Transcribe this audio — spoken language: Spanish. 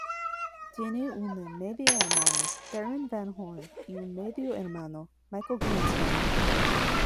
Tiene una media hermana, Karen Van Horne, y un medio hermano, Michael Greenspan.